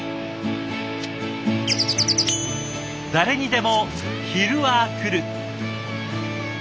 誰にでも昼はくる。